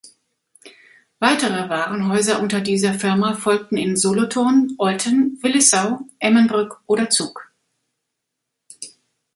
Weitere Warenhäuser unter dieser Firma folgten in Solothurn, Olten, Willisau, Emmenbrücke oder Zug.